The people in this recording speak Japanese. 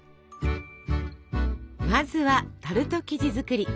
まずはタルト生地作り。